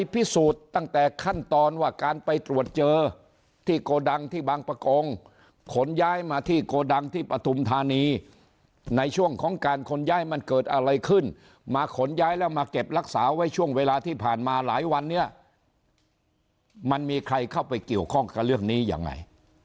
พิสูจน์ตั้งแต่ขั้นตอนว่าการไปตรวจเจอที่โกดังที่บางประกงขนย้ายมาที่โกดังที่ปฐุมธานีในช่วงของการขนย้ายมันเกิดอะไรขึ้นมาขนย้ายแล้วมาเก็บรักษาไว้ช่วงเวลาที่ผ่านมาหลายวันเนี่ยมันมีใครเข้าไปเกี่ยวข้องกับเรื่องนี้ยังไง